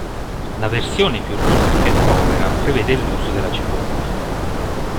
La versione più rustica e povera prevede l'uso della cipolla.